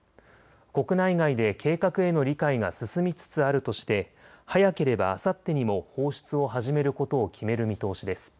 国内外で計画への理解が進みつつあるとして早ければあさってにも放出を始めることを決める見通しです。